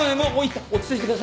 落ち着いてください。